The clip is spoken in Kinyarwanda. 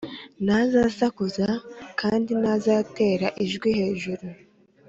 ntazasakuza kandi ntazatera ijwi hejuru,